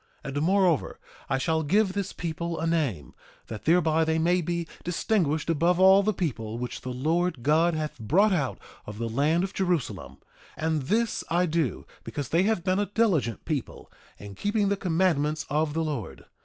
1:11 And moreover, I shall give this people a name, that thereby they may be distinguished above all the people which the Lord God hath brought out of the land of Jerusalem; and this I do because they have been a diligent people in keeping the commandments of the Lord.